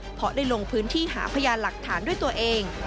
เพราะได้ลงพื้นที่หาพยานหลักฐานด้วยตัวเอง